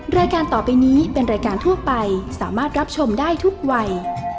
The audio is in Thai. รายการต่อไปนี้เป็นรายการทั่วไปสามารถรับชมได้ทุกวัย